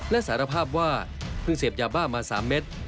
และสารภาพว่าเพิ่งเสพยาบ้ามา๓เม็ด